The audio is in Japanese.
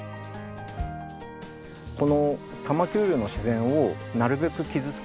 この多摩丘陵の自然をなるべく傷つけないように。